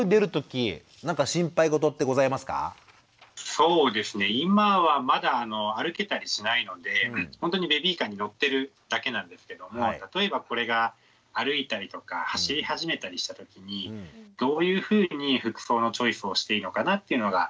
そうですね今はまだ歩けたりしないのでほんとにベビーカーに乗ってるだけなんですけども例えばこれが歩いたりとか走り始めたりした時にどういうふうに服装のチョイスをしていいのかなっていうのが。